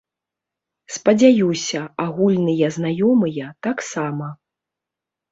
Спадзяюся, агульныя знаёмыя таксама.